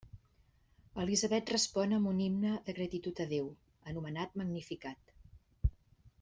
Elisabet respon amb un himne de gratitud a Déu, anomenat Magnificat.